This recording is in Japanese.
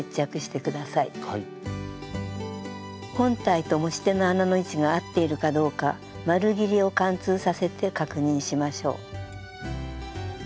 本体と持ち手の穴の位置が合っているかどうか丸ぎりを貫通させて確認しましょう。